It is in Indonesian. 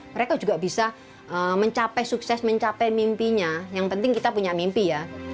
mereka juga bisa mencapai sukses mencapai mimpinya yang penting kita punya mimpi ya